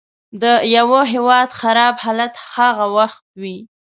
د یوه هیواد خراب حالت هغه وخت وي.